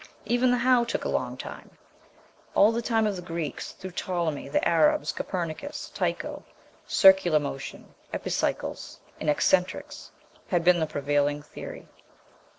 Even the "how" took a long time all the time of the Greeks, through Ptolemy, the Arabs, Copernicus, Tycho: circular motion, epicycles, and excentrics had been the prevailing theory.